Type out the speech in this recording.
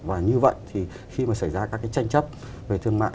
và như vậy thì khi mà xảy ra các cái tranh chấp về thương mại